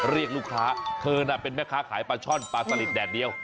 เรียกลูกค้าเคินเป็นแม่ค้าขายบนช่อนปาร์สาลิดเดดเดียว